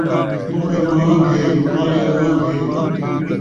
توݨے مانگھ ہے، پالے آنگھ ہے